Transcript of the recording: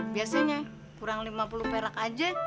biasanya kurang lima puluh perak aja